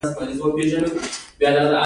ګډونوالو به په جوش او جذبه سندرې ویلې.